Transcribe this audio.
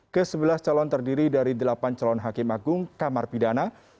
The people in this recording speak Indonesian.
ke sebelas calon terdiri dari delapan calon hakim agung kamar pidana